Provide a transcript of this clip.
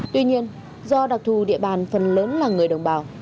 tuy nhiên do đặc thù địa bàn phần lớn là người đồng bào